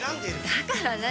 だから何？